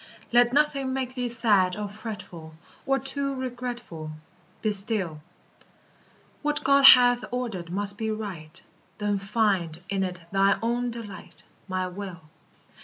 Let nothing make thee sad or fretful, Or too regretful; Be still; What God hath ordered must be right; Then find in it thine own delight, My will.